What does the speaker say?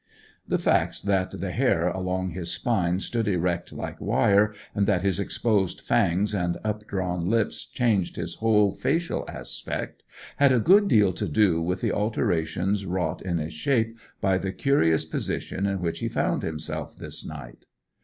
The facts that the hair along his spine stood erect like wire, and that his exposed fangs and updrawn lips changed his whole facial aspect, had a good deal to do with the alterations wrought in his shape by the curious position in which he found himself this night.